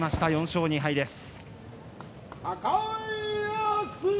４勝２敗です。